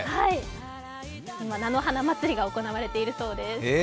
今、菜の花祭りが行われているそうです。